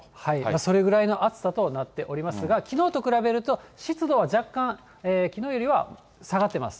それぐらいの暑さとなっておりますが、きのうと比べると、湿度は若干きのうよりは下がってます。